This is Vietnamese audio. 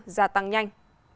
gia tăng nhanh